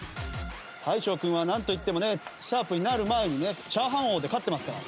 大昇君はなんといってもね『♯』になる前にね炒飯王で勝ってますから。